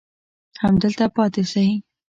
همدلته پاتې سئ.